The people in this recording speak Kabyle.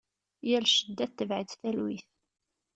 Yal cedda tetbeɛ-itt talwit.